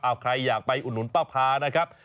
เอาใครอยากไปอุดหนุนป้าพานะครับ